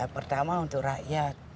pertama untuk rakyat